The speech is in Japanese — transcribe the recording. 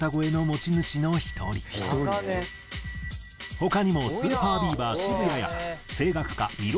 他にもＳＵＰＥＲＢＥＡＶＥＲ渋谷や声楽家彌勒